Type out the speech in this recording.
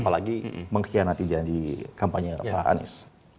apalagi mengkhianati janji kampanye pak anies